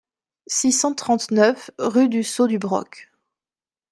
six cent trente-neuf rue du Saut du Broc